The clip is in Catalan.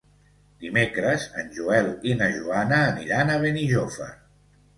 Dimecres en Joel i na Joana aniran a Benijòfar.